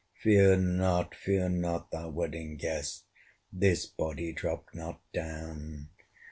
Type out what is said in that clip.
Fear not, fear not, thou Wedding Guest! This body dropt not down.